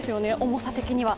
重さ的には。